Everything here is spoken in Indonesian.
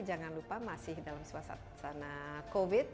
jangan lupa masih dalam suasana covid